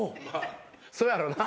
そやろな。